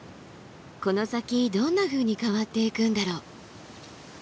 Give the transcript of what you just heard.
この先どんなふうに変わっていくんだろう。